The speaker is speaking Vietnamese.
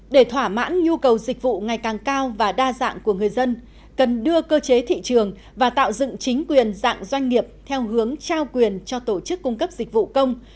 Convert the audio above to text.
để thỏa mãn nhu cầu dịch vụ ngày càng cao và đa dạng của người dân cần đưa cơ chế thị trường và tạo dựng chính quyền dạng doanh nghiệp theo hướng trao quyền cho tổ chức cung cấp dịch vụ công